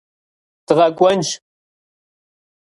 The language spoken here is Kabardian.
Дыкъэкӏуэнщ.